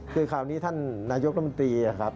คือคราวนี้ท่านนายกรมตรีครับ